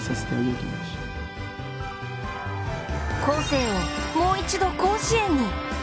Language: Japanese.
洸生をもう一度甲子園に。